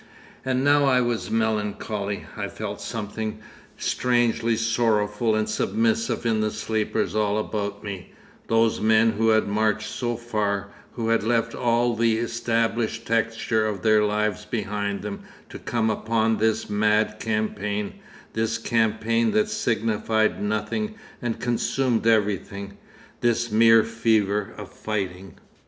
'And now I was melancholy. I found something strangely sorrowful and submissive in the sleepers all about me, those men who had marched so far, who had left all the established texture of their lives behind them to come upon this mad campaign, this campaign that signified nothing and consumed everything, this mere fever of fighting.